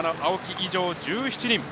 以上、１７人。